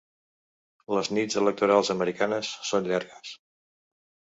Les nits electorals americanes són llargues.